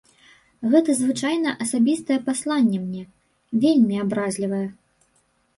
Гэта звычайна асабістае пасланне мне, вельмі абразлівае.